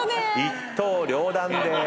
一刀両断でーす。